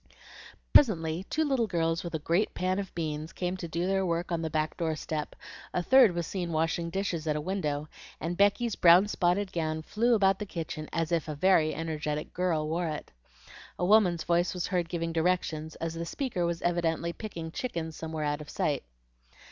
Presently two little girls with a great pan of beans came to do their work on the back doorstep, a third was seen washing dishes at a window, and Becky's brown spotted gown flew about the kitchen as if a very energetic girl wore it. A woman's voice was heard giving directions, as the speaker was evidently picking chickens somewhere out of sight.